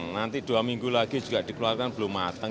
nanti dua minggu lagi juga dikeluarkan belum matang